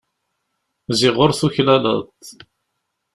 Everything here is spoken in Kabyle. Ziɣ ur tuklaleḍ.